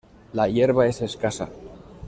La hierba es escasa.